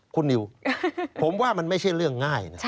คุณนิวผมว่ามันไม่ใช่เรื่องง่ายนะ